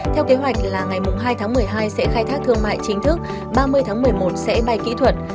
theo kế hoạch là ngày hai tháng một mươi hai sẽ khai thác thương mại chính thức ba mươi tháng một mươi một sẽ bay kỹ thuật